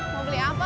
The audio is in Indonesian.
mau beli apa